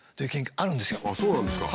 ああそうなんですか。